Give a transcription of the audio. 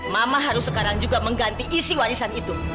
mama harus sekarang juga mengganti isi warisan itu